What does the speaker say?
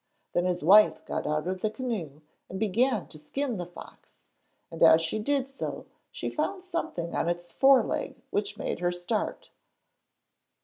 Then his wife got out of the canoe and began to skin the fox, and as she did so she found something on its foreleg which made her start.